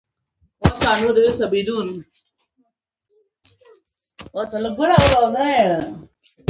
آغزي مه کره په پښو کي به دي خار سي